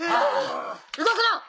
動くな！